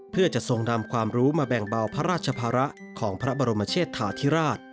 เพื่อจะทรงนำความรู้มาแบ่งเบาพระราชภาระของพระบรมเชษฐาธิราช